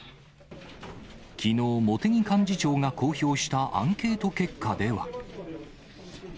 きのう、茂木幹事長が公表したアンケート結果では。